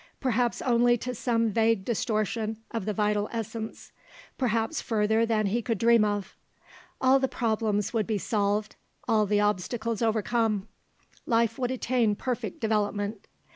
Perhaps only to some vague distortion of the vital essence; perhaps further than he could dream of. All the problems would be solved, all the obstacles overcome; life would attain perfect developement.